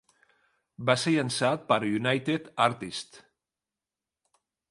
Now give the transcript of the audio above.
Va ser llançat per United Artists.